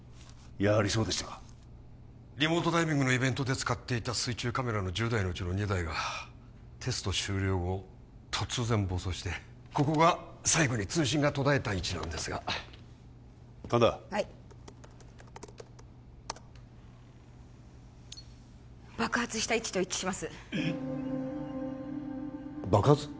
やはりそうでしたかリモートダイビングのイベントで使っていた水中カメラの１０台のうちの２台がテスト終了後突然暴走してここが最後に通信が途絶えた位置なんですが神田はい爆発した位置と一致します・えっ爆発？